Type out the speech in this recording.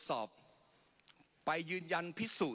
ปรับไปเท่าไหร่ทราบไหมครับ